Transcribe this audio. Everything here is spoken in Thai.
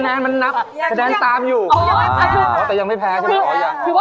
คะแนนไงคะแนนคะแนนตามอยู่แต่ยังไม่แพ้ใช่ไหม